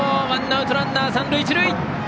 ワンアウトランナー、三塁一塁。